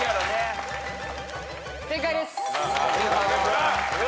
正解です。